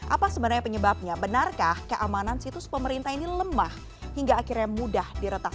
apa sebenarnya penyebabnya benarkah keamanan situs pemerintah ini lemah hingga akhirnya mudah diretas